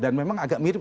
dan memang agak mirip